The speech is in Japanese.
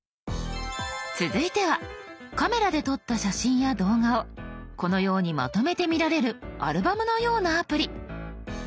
続いてはカメラで撮った写真や動画をこのようにまとめて見られるアルバムのようなアプリ。